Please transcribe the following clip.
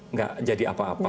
nggak jadi apa apa